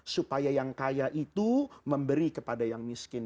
supaya yang kaya itu memberi kepada yang miskin